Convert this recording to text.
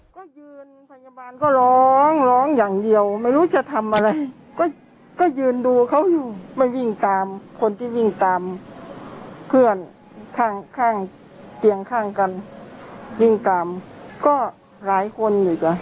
ก็ต้องช่วยกันหน่อยไม่รู้อะไรนอนต่างคนต่างนอน